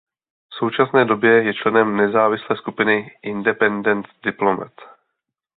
V současné době je členem nezávislé skupiny Independent Diplomat.